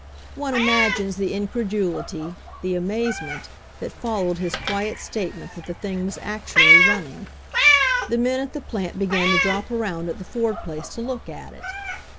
One imagines the incredulity, the amazement, that followed his quiet statement that the thing was actually running. The men at the plant be gan to drop around at the Ford place to look at . it.